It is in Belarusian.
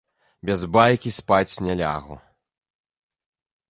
Без байкі спаць не лягу.